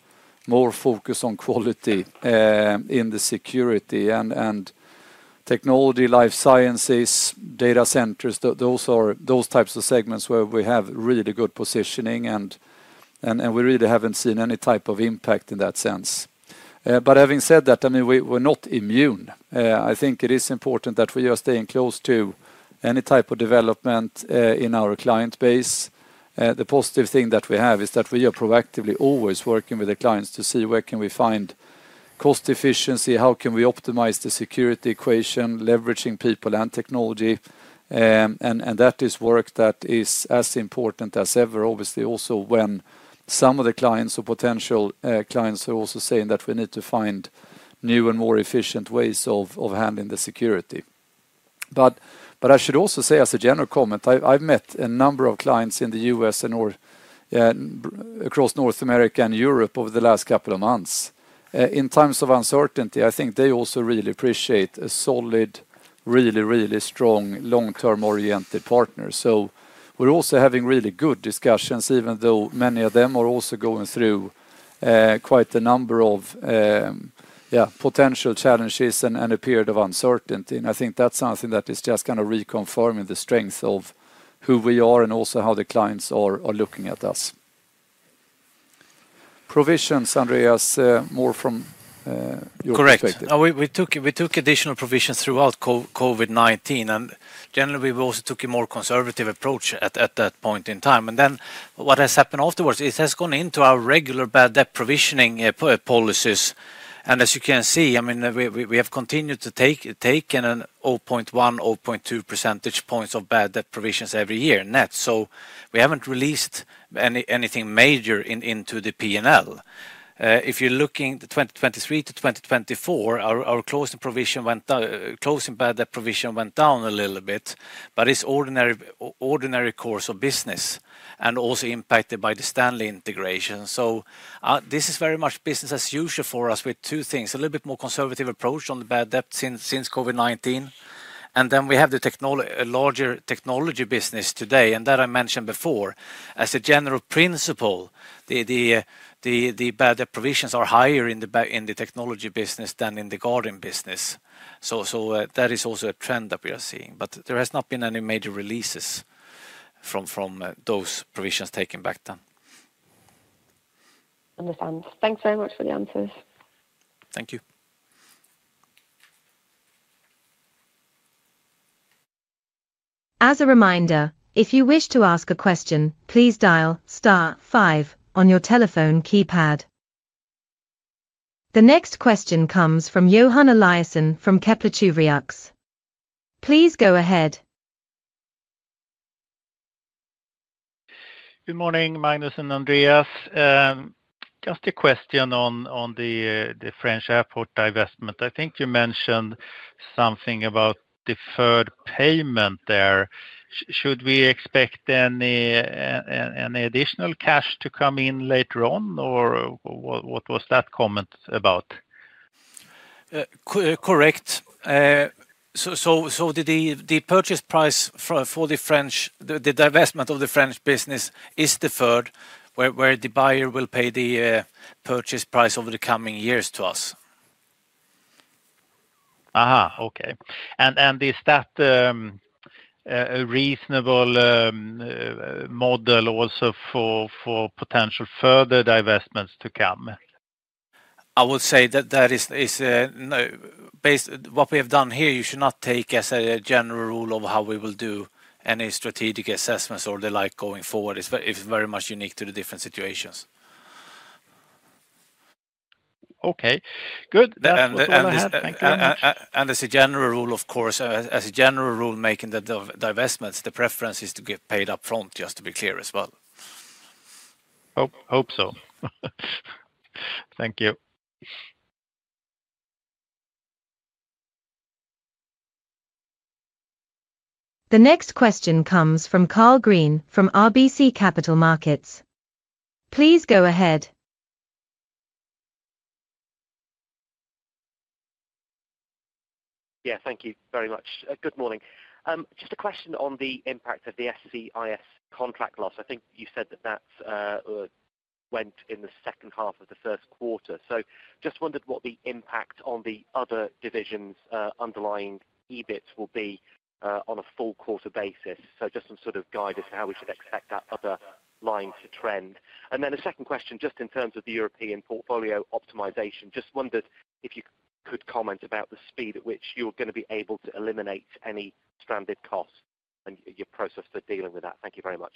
more focus on quality in the security and technology, life sciences, data centers. Those types of segments where we have really good positioning, and we really have not seen any type of impact in that sense. I mean, we are not immune. I think it is important that we are staying close to any type of development in our client base. The positive thing that we have is that we are proactively always working with the clients to see where can we find cost efficiency, how can we optimize the security equation, leveraging people and technology. That is work that is as important as ever, obviously, also when some of the clients or potential clients are also saying that we need to find new and more efficient ways of handling the security. I should also say, as a general comment, I have met a number of clients in the U.S. and across North America and Europe over the last couple of months. In times of uncertainty, I think they also really appreciate a solid, really, really strong, long-term oriented partner. We are also having really good discussions, even though many of them are also going through quite a number of potential challenges and a period of uncertainty. I think that is something that is just kind of reconfirming the strength of who we are and also how the clients are looking at us. Provisions, Andreas, more from your perspective. Correct. We took additional provisions throughout COVID-19, and generally, we also took a more conservative approach at that point in time. What has happened afterwards is it has gone into our regular bad debt provisioning policies. As you can see, I mean, we have continued to take in a 0.1-0.2 percentage points of bad debt provisions every year net. We have not released anything major into the P&L. If you are looking 2023 to 2024, our closing provision went down, closing bad debt provision went down a little bit, but it is ordinary course of business and also impacted by the Stanley integration. This is very much business as usual for us with two things, a little bit more conservative approach on the bad debt since COVID-19. We have the larger technology business today. As I mentioned before, as a general principle, the bad debt provisions are higher in the technology business than in the guarding business. That is also a trend that we are seeing. There has not been any major releases from those provisions taken back then. Understand. Thanks very much for the answers. Thank you. As a reminder, if you wish to ask a question, please dial star five on your telephone keypad. The next question comes from Johan Eliasson from Kepler Cheuvreux. Please go ahead. Good morning, Magnus and Andreas. Just a question on the French airport divestment. I think you mentioned something about deferred payment there. Should we expect any additional cash to come in later on, or what was that comment about? Correct. The purchase price for the divestment of the French business is deferred, where the buyer will pay the purchase price over the coming years to us. Is that a reasonable model also for potential further divestments to come? I would say that that is based on what we have done here, you should not take as a general rule of how we will do any strategic assessments or the like going forward. It's very much unique to the different situations. Okay. Good. As a general rule, of course, as a general rule making the divestments, the preference is to get paid upfront, just to be clear as well. Hope so. Thank you. The next question comes from Karl Green from RBC Capital Markets. Please go ahead. Yeah, thank you very much. Good morning. Just a question on the impact of the SCIS contract loss. I think you said that that went in the second half of the first quarter. Just wondered what the impact on the other divisions' underlying EBIT will be on a full quarter basis. Just some sort of guidance on how we should expect that other line to trend. A second question, just in terms of the European portfolio optimization, just wondered if you could comment about the speed at which you're going to be able to eliminate any stranded costs and your process for dealing with that. Thank you very much.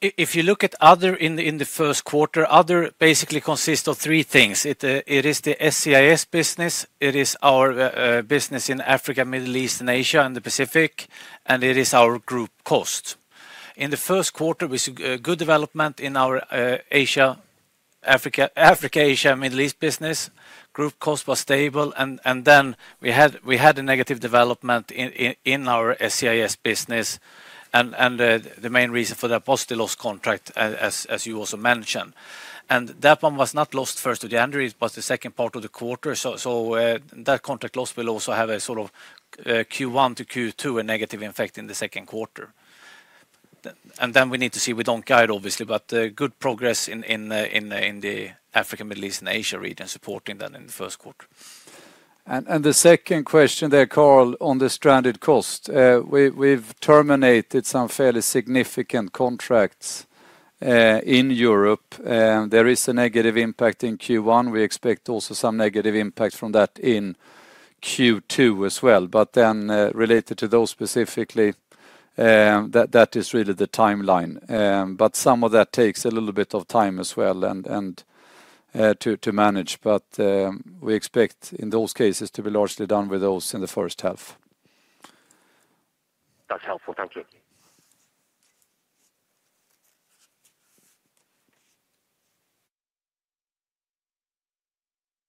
If you look at other in the first quarter, other basically consists of three things. It is the SCIS business. It is our business in Africa, Middle East, and Asia and the Pacific. It is our group cost. In the first quarter, we saw good development in our Asia, Africa, Asia, Middle East business. Group cost was stable. We had a negative development in our SCIS business. The main reason for that was the loss contract, as you also mentioned. That one was not lost first of January, but the second part of the quarter. That contract loss will also have a sort of Q1 to Q2, a negative impact in the second quarter. We need to see, we do not guide, obviously, but good progress in the Africa, Middle East, and Asia region supporting that in the first quarter. The second question there, karl, on the stranded cost. We have terminated some fairly significant contracts in Europe. There is a negative impact in Q1. We expect also some negative impact from that in Q2 as well. Related to those specifically, that is really the timeline. Some of that takes a little bit of time as well to manage. We expect in those cases to be largely done with those in the first half. That's helpful. Thank you.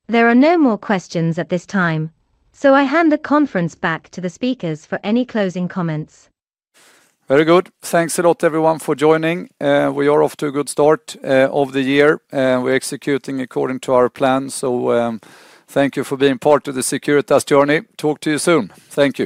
There are no more questions at this time. I hand the conference back to the speakers for any closing comments. Very good. Thanks a lot, everyone, for joining. We are off to a good start of the year. We're executing according to our plan. Thank you for being part of the Securitas journey. Talk to you soon. Thank you.